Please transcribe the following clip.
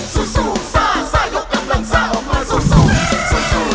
สู้ซ่าซ่ายกกำลังซ่าออกมาสู้สู้